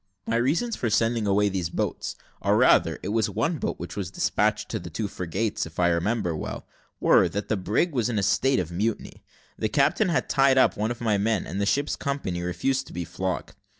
"My reasons for sending away these boats, or rather it was one boat which was despatched to the two frigates, if I remember well, were, that the brig was in a state of mutiny. The captain had tied up one of the men, and the ship's company refused to be flogged.